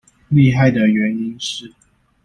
厲害的原因是